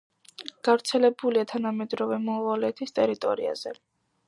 გავრცელებულია თანამედროვე მონღოლეთის ტერიტორიაზე.